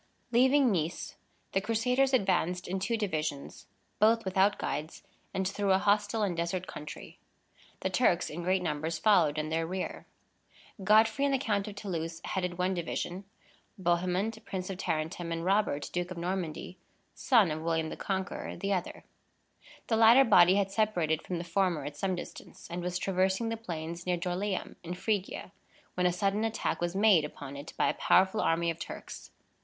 Leaving Nice, the Crusaders advanced in two divisions, both without guides, and through a hostile and desert country. The Turks, in great numbers, followed in their rear. Godfrey and the Count of Toulouse headed one division; Bohemond, Prince of Tarentum, and Robert, Duke of Normandy (son of William the Conqueror), the other. The latter body had separated from the former at some distance, and was traversing the plains near Dorylæum, in Phrygia, when a sudden attack was made upon it by a powerful army of Turks.